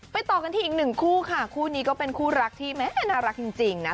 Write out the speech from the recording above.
ต่อกันที่อีกหนึ่งคู่ค่ะคู่นี้ก็เป็นคู่รักที่แม่น่ารักจริงนะ